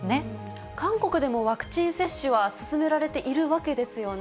韓国でもワクチン接種は進められているわけですよね。